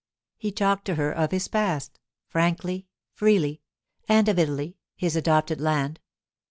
He talked to her of his past—frankly, freely—and of Italy, his adopted land.